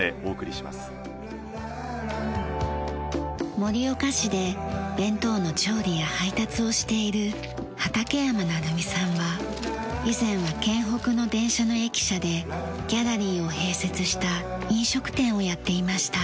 盛岡市で弁当の調理や配達をしている畠山娜琉宮さんは以前は県北の電車の駅舎でギャラリーを併設した飲食店をやっていました。